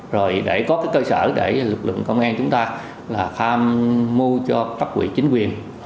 rồi để có cơ sở để lực lượng công an chúng ta tham mu cho bác quỵ chính quyền